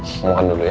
semua dulu ya